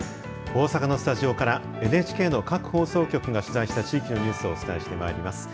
大阪のスタジオからＮＨＫの各放送局が取材した地域のニュースをお伝えしてまいります。